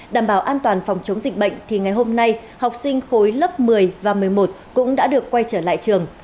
đảm bảo an toàn phòng chống dịch bệnh thì ngày hôm nay học sinh khối lớp một mươi và một mươi một cũng đã được quay trở lại trường